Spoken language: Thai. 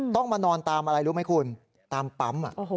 ทำอะไรรู้ไหมคุณตามปั๊มอ่ะ